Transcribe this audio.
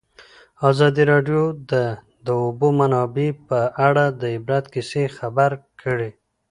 ازادي راډیو د د اوبو منابع په اړه د عبرت کیسې خبر کړي.